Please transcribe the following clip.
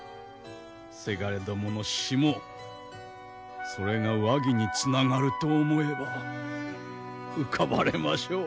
せがれどもの死もそれが和議につながると思えば浮かばれましょう。